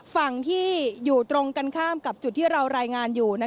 ฝั่งที่อยู่ตรงกันข้ามกับจุดที่เรารายงานอยู่